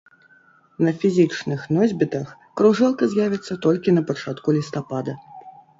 На фізічных носьбітах кружэлка з'явіцца толькі на пачатку лістапада.